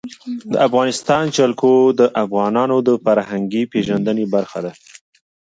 د افغانستان جلکو د افغانانو د فرهنګي پیژندنې برخه ده.